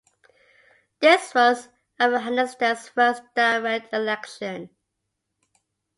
This was Afghanistan's first direct election.